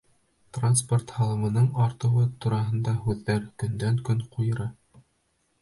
Транспорт һалымының артыуы тураһында һүҙҙәр көндән-көн ҡуйыра.